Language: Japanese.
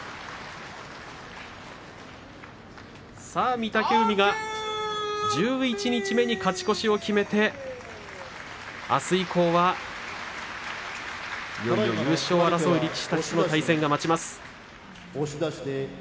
御嶽海が十一日目に勝ち越しを決めてあす以降は、いよいよ優勝争いに絡む力士たちとの対戦が続きます。